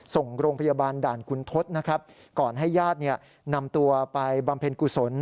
ส่งโรงพยาบาลด่านคุณทศนะครับก่อนให้ญาติเนี่ยนำตัวไปบำเพ็ญกุศล